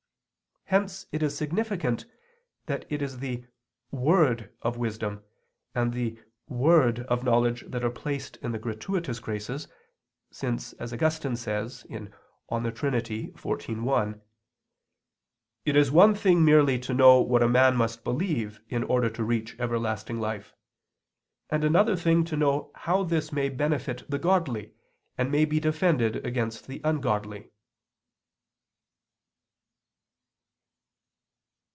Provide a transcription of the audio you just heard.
Hence it is significant that it is the "word" of wisdom and the "word" of knowledge that are placed in the gratuitous graces, since, as Augustine says (De Trin. xiv, 1), "It is one thing merely to know what a man must believe in order to reach everlasting life, and another thing to know how this may benefit the godly and may be defended against the ungodly."